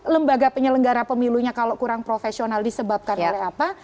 lembaga penyelenggara pemilunya kalau kurang profesional disebabkan oleh apa